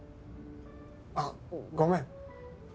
あっごめん！